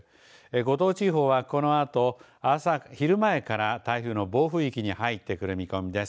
五島地方はこのあと昼前から台風の暴風域に入ってくる見込みです。